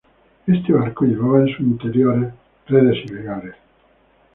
Este barco llevaba en su interior redes ilegales.